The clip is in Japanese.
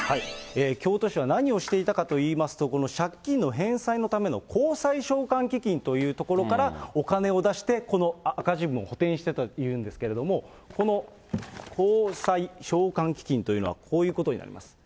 京都市は何をしていたかといいますと、この借金の返済のための公債償還基金というところからお金を出して、この赤字分を補填してたというんですけれども、この公債償還基金というのは、こういうことになります。